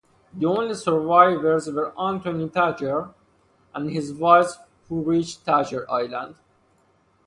The only survivors were Antony Thacher and his wife, who reached Thacher Island.